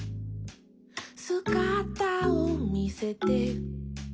「すがたをみせて」